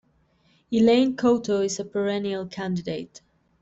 Elaine Couto is a perennial candidate.